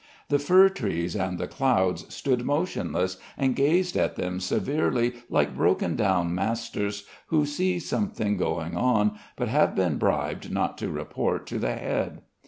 The fir trees and the clouds stood motionless, and gazed at them severely like broken down masters who see something going on, but have been bribed not to report to the head.